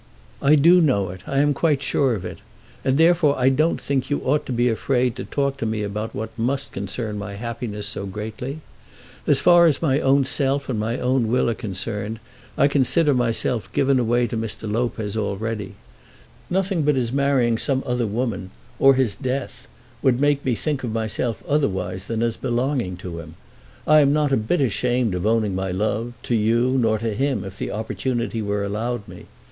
"I do know it. I am quite sure of it. And therefore I don't think you ought to be afraid to talk to me about what must concern my happiness so greatly. As far as my own self and my own will are concerned I consider myself given away to Mr. Lopez already. Nothing but his marrying some other woman, or his death, would make me think of myself otherwise than as belonging to him. I am not a bit ashamed of owning my love to you; nor to him, if the opportunity were allowed me.